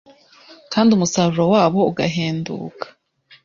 kandi umusaruro wabo ugahenduka.